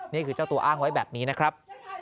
นี่คือเจ้าตัวอ้างไว้แบบนี้นะครับ